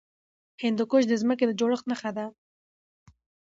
هندوکش د ځمکې د جوړښت نښه ده.